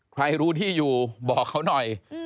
ใครรู้ที่อยู่บอกเขาหน่อย